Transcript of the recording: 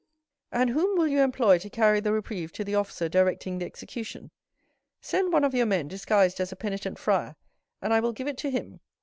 "And whom will you employ to carry the reprieve to the officer directing the execution?" "Send one of your men, disguised as a penitent friar, and I will give it to him.